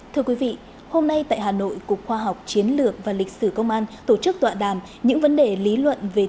thưa quý vị hôm nay tại hà nội cục khoa học chiến lược và lịch sử công an tổ chức tọa đàm những vấn đề lý luận về